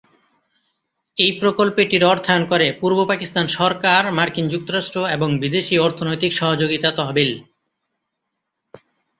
এই প্রকল্পটির অর্থায়ন করে পূর্ব পাকিস্তান সরকার, মার্কিন যুক্তরাষ্ট্র এবং বিদেশী অর্থনৈতিক সহযোগিতা তহবিল।